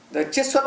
rồi chứa là